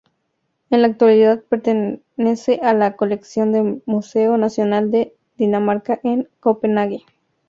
En la actualidad pertenece a la colección del Museo Nacional de Dinamarca en Copenague.